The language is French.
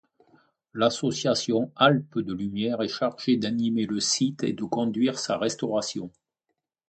L'association Alpes de Lumière est chargée d'animer le site et de conduire sa restauration.